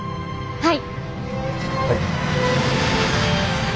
はい。